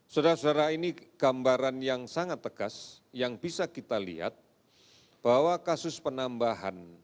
saudara saudara ini gambaran yang sangat tegas yang bisa kita lihat bahwa kasus penambahan